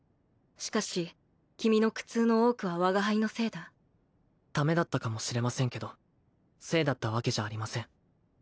しかし君の苦痛の多くは我が輩のせいだ「ため」だったかもしれませんけど「せい」だったわけじゃありません